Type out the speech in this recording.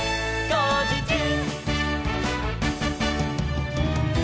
「こうじちゅう！！」